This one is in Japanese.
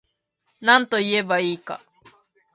なんといえば良いか